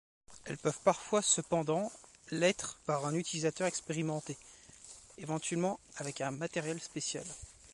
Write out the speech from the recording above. Elles peuvent parfois cependant l'être par un utilisateur expérimenté, éventuellement avec un matériel spécial.